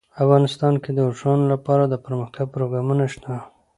افغانستان کې د اوښانو لپاره دپرمختیا پروګرامونه شته.